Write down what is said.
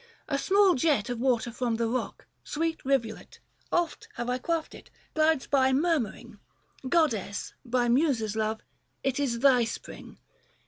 A small jet 200 Of water from the rock, sweet rivulet — Oft have I quaffed it — glides by murmuring ; Goddess, by Muses loved, it is thy spring.